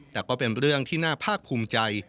แต่ก็เป็นเรื่องที่น่าภาคภูมิใจ